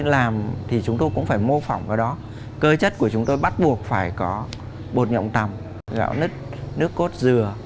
làm thì chúng tôi cũng phải mô phỏng vào đó cơ chất của chúng tôi bắt buộc phải có bột nhộng tầm gạo nứt nước cốt dừa